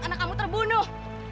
anak kamu terbunuh